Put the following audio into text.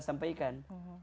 saya sudah jelas sampaikan